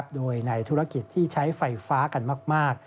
โดยในธุรกิจที่ใช้ไฟฟ้ากันมาก